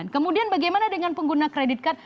kemudian bagaimana dengan pengguna kredit card